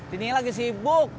tini lagi sibuk